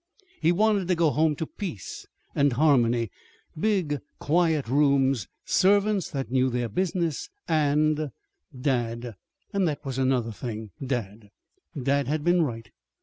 He wanted to go home to peace and harmony, big, quiet rooms, servants that knew their business, and dad. And that was another thing dad. Dad had been right.